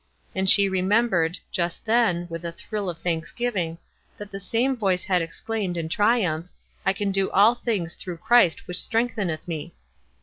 And she remem bered, just then, with a thrill of thanksgiving, that the same voice had exclaimed, in triumph, "I can do all things through Christ which strength eneth me."